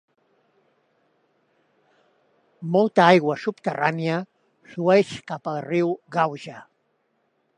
Molta aigua subterrània flueix cap al riu Gauja.